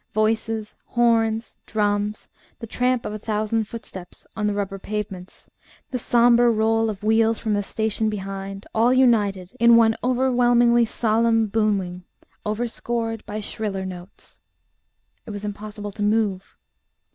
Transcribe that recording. Voices, horns, drums, the tramp of a thousand footsteps on the rubber pavements, the sombre roll of wheels from the station behind all united in one overwhelmingly solemn booming, overscored by shriller notes. It was impossible to move.